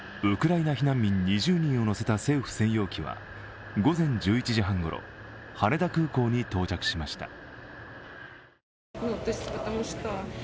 ウクライナ避難民２０人を乗せた政府専用機は午前１１時半ごろ、羽田空港に到着しました。